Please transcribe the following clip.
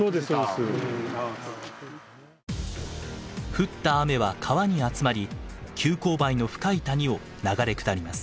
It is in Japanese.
降った雨は川に集まり急勾配の深い谷を流れ下ります。